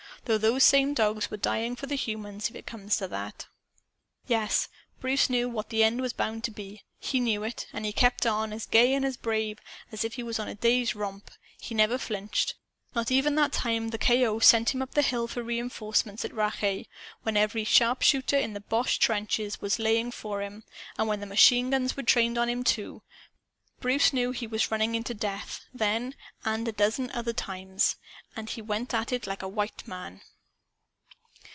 (Though those same dogs were dying for the humans, if it comes to that.) "Yes, Bruce knew what the end was bound to be. He knew it. And he kept on, as gay and as brave as if he was on a day's romp. He never flinched. Not even that time the K.O. sent him up the hill for reenforcements at Rache, when every sharpshooter in the boche trenches was laying for him, and when the machine guns were trained on him, too. Bruce knew he was running into death , then and a dozen other times. And he went at it like a white man.